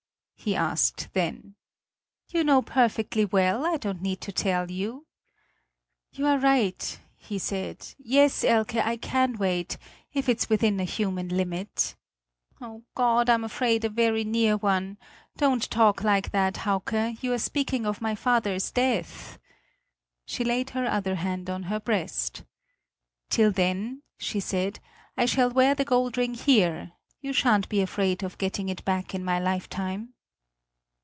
he asked then. "You know perfectly well; I don't need to tell you." "You are right," he said; "yes, Elke, I can wait if it's within a human limit." "Oh, God, I'm afraid, a very near one! Don't talk like that, Hauke; you are speaking of my father's death!" She laid her other hand on her breast; "Till then," she said, "I shall wear the gold ring here; you shan't be afraid of getting it back in my lifetime!"